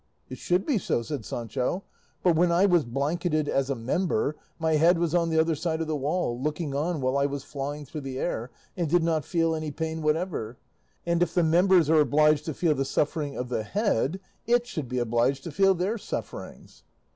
"It should be so," said Sancho; "but when I was blanketed as a member, my head was on the other side of the wall, looking on while I was flying through the air, and did not feel any pain whatever; and if the members are obliged to feel the suffering of the head, it should be obliged to feel their sufferings."